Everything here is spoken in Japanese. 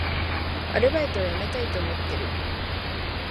アルバイトを辞めたいと思っている